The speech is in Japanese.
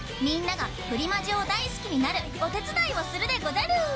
みんながプリマジを大好きになるお手伝いをするでござる！